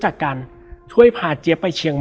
แล้วสักครั้งหนึ่งเขารู้สึกอึดอัดที่หน้าอก